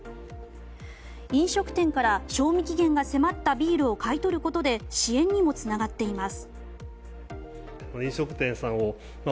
飲食店から賞味期限が迫ったビールを買い取ることで支援にもつながっています。